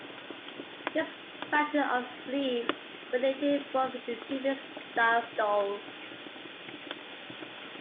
This fashion of sleeve would later evolve into Tippet-style stoles.